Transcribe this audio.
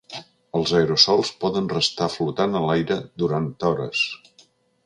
Els aerosols poden restar flotant a l’aire durant hores.